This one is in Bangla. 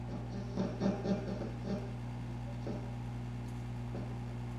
এখন তোর কন্ঠও তোর দাদীর মতো কোকিলা হয়ে যাবে।